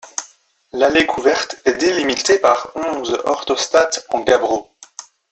L'allée couverte est délimitée par onze orthostates en gabbro.